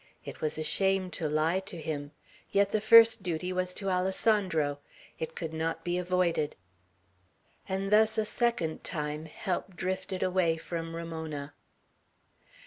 It was a shame to lie to him; yet the first duty was to Alessandro. It could not be avoided. And thus a second time help drifted away from Ramona.